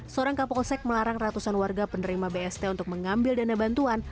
seorang kapolsek melarang ratusan warga penerima bst untuk mengambil dana bantuan